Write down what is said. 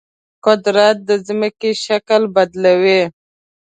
قدرت د ځمکې شکل بدلوي.